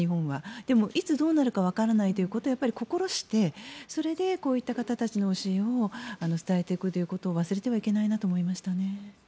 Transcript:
でもいつどうなるかわからないということを心してそれでこういう方たちの教えを伝えていくということを忘れてはいけないなと思いましたね。